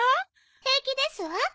平気ですわ。